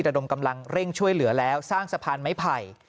ดมกำลังเร่งช่วยเหลือแล้วสร้างสะพานไม้ไผ่